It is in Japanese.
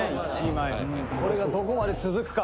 「これがどこまで続くか」